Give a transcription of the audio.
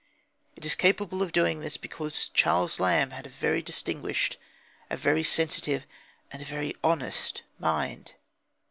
And it is capable of doing this because Charles Lamb had a very distinguished, a very sensitive, and a very honest mind.